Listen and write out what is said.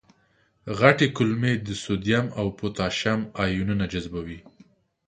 غټې کولمې د سودیم او پتاشیم آیونونه جذبوي.